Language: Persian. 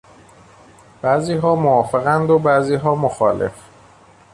بعضیها موافقند و بعضیها مخالف.